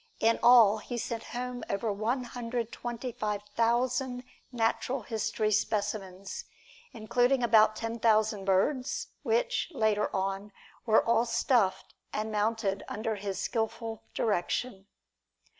In all he sent home over one hundred twenty five thousand natural history specimens, including about ten thousand birds, which, later on, were all stuffed and mounted under his skilful direction.